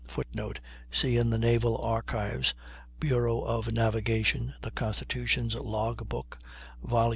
[Footnote: See in the Naval Archives (Bureau of Navigation) the Constitution's Log Book (vol.